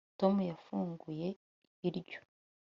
Tom yafunguye iburyo